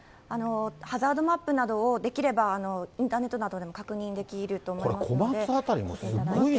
ハザードマップなどをできればインターネットなどでも確認できると思いますので見ていただいて。